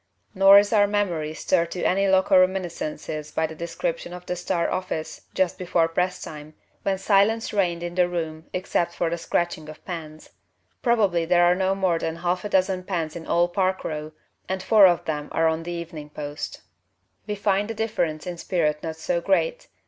Nor is our memory stirred to any local reminiscences by the description of The Star office just before press time, when "silence reigned in the room except for the scratching of pens." Probably there are not more than half a dozen pens in all Park Row and four of them are on The Evening Post. We find the difference in spirit not so great.